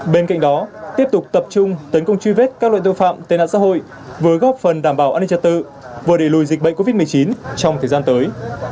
bên cạnh đó tiếp tục tập trung tấn công truy vết các loại tội phạm tên nạn xã hội vừa góp phần đảm bảo an ninh trật tự vừa đẩy lùi dịch bệnh covid một mươi chín trong thời gian tới